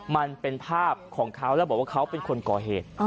มันเป็นภาพของเขาแล้วบอกว่าเขาเป็นคนก่อเหตุ